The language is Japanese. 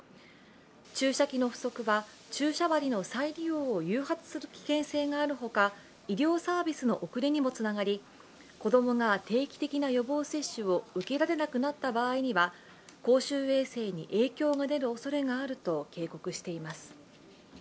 注射器の不足は注射針の再利用を誘発する危険性があるほか、医療サービスの遅れにもつながり、子供が定期的な予防接種を受けられなくなった場合には公衆衛生に影響が出る可能性があると警告しています。